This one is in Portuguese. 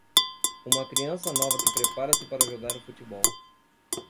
Uma criança nova que prepara-se para jogar o futebol.